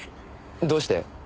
どうして？